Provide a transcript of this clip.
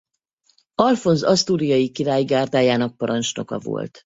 Alfonz asztúriai király gárdájának parancsnoka volt.